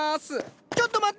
ちょっと待った！